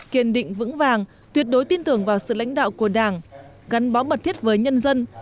kiên định vững vàng tuyệt đối tin tưởng vào sự lãnh đạo của đảng gắn bó mật thiết với nhân dân